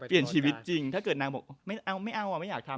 เปลี่ยนชีวิตจริงถ้าเกิดนางบอกไม่เอาไม่เอาอ่ะไม่อยากทำ